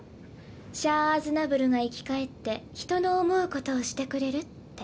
シャア・アズナブルが生き返って人の思うことをしてくれるって。